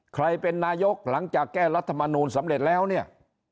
ใครเป็นนายกหลังจากแก้รัฐมนูลสำเร็จแล้วเนี่ย